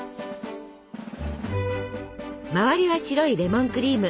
周りは白いレモンクリーム。